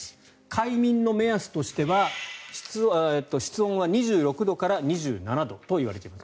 快眠の目安としては室温は２６度から２７度といわれています。